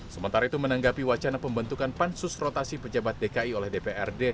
sementara itu menanggapi wacana pembentukan pansus rotasi pejabat dki oleh dprd